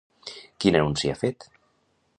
Quin anunci ha fet?